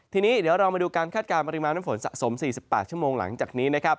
ทีนี้เดี๋ยวเรามาดูการคาดการณปริมาณน้ำฝนสะสม๔๘ชั่วโมงหลังจากนี้นะครับ